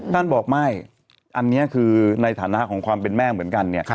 ท่านบอกไม่อันนี้คือในฐานะของความเป็นแม่เหมือนกันเนี่ย